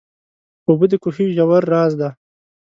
اوبه د کوهي ژور راز دي.